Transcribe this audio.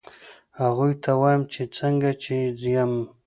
هغوی ته وایم چې څنګه چې یم